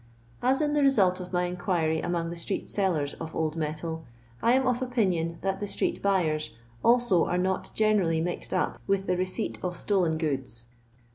As in the result of my inquir}' among the street sellers of old metal, I am of opinion that the street bnvers also are not generally mixed up with the receipt of stolen goods.